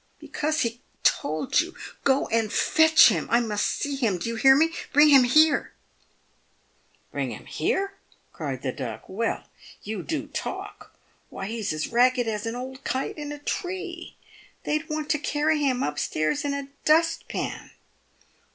" Because he told you. Gk> and fetch him. I must see him. Do you hear me ? Bring him here." " Bring him here !" cried the Duck. " "Well, you do talk. "Why he's as ragged as an old kite in a tree. They'd want to carry him up stairs in a dustpan."